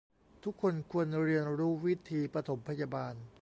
ทุกคนควรเรียนรู้วิธีปฐมพยาบาล